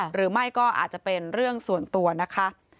หรือไม่ก็อาจจะเป็นเรื่องส่วนตัวนะคะ